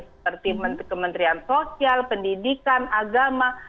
seperti kementerian sosial pendidikan agama